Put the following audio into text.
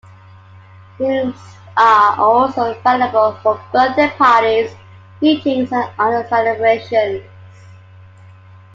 The rooms are also available for birthday parties, meetings, and other celebrations.